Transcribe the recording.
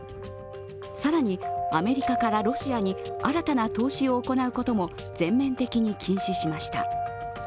更に、アメリカからロシアに新たな投資を行うことも全面的に禁止しました。